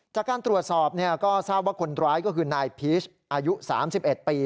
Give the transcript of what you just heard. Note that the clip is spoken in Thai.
จากการตรวจสอบก็ทราบว่าคนร้ายก็คือนายพีชอายุ๓๑ปี